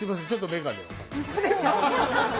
嘘でしょ。